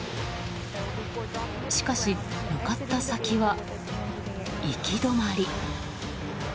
しかし、向かった先は行き止まり。